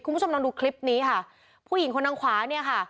คุณผู้ชมลองดูคลิปนี้ค่ะผู้หญิงคนนางขวาเนี่ยค่ะ